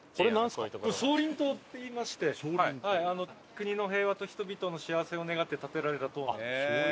国の平和と人々の幸せを願って建てられた塔。